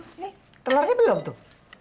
nih telurnya belum tuh